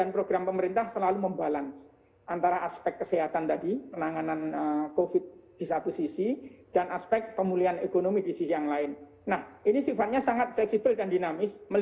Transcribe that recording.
pembatasan mobilitas dan aktivitas